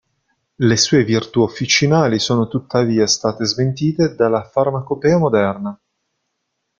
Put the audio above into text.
Le sue virtù officinali sono tuttavia state smentite dalla farmacopea moderna.